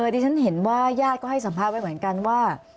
ดิฉันเห็นว่าญาติก็ให้สัมภาษณ์ไว้เหมือนกันว่า